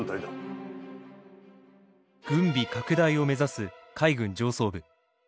軍備拡大を目指す海軍上層部。